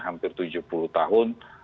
hampir tujuh puluh tahun